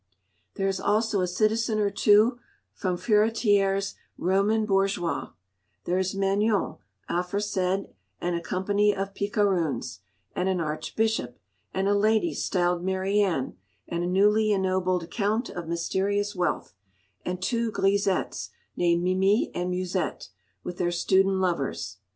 There is also a citizen or two from Furetière's "Roman Bourgeois," there is Manon, aforesaid, and a company of picaroons, and an archbishop, and a lady styled Marianne, and a newly ennobled Count of mysterious wealth, and two grisettes, named Mimi and Musette, with their student lovers.